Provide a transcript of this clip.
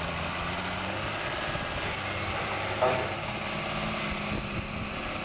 Me ne fame.